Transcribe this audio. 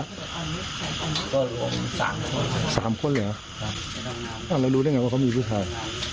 ก็รวม๓คนแล้วรู้ได้ไงว่าเขามีผู้ชาย